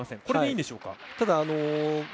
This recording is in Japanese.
これでいいんでしょうか。